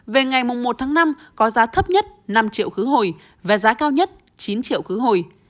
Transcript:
về ngày một tháng năm có giá thấp nhất năm triệu khứ hồi và giá cao nhất chín triệu khứ hồi